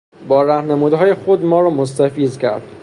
با رهنمودهای خود ما را مستفیض کرد.